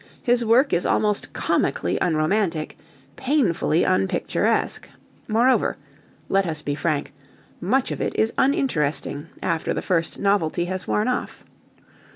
His work is almost comically unromantic, painfully unpicturesque. Moreover let us be frank much of it is uninteresting, after the first novelty has worn off.